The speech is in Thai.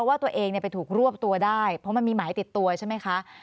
ว่าตัวเองไปถูกรวบตัวได้เพราะมันมีหมายติดตัวใช่ไหมคะ